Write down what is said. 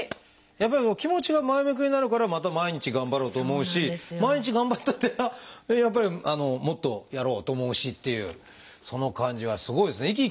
やっぱり気持ちが前向きになるからまた毎日頑張ろうと思うし毎日頑張ってたらやっぱりもっとやろうと思うしっていうその感じはすごいですね。